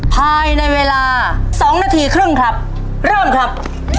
ภายในเวลา๒นาทีครึ่งครับเริ่มครับ